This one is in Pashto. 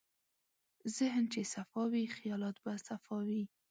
ذهن چې صفا وي، خیالات به صفا وي.